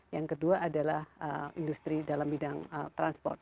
yang kedua adalah industri dalam bidang transport